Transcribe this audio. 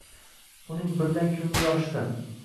Uning birdan koʻngli yorishdi